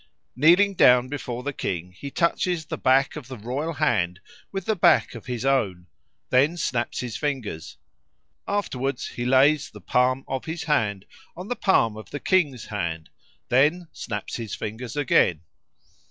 Kneeling down before the king he touches the back of the royal hand with the back of his own, then snaps his fingers; afterwards he lays the palm of his hand on the palm of the king's hand, then snaps his fingers again.